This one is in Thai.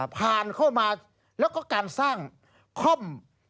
ผ่านเข้ามาแล้วก็การสร้างคล่อม